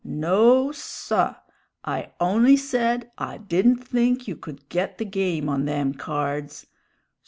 No, saw! I on'y said I didn't think you could get the game on them cards.